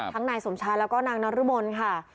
ทั้งหน่ายสมชายแล้วก็นางนรบนค่ะ